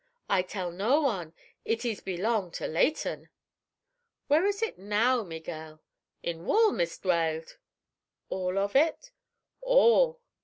"I tell no one. It ees belong to Leighton." "Where is it now, Miguel?" "In wall, Meest Weld." "All of it?"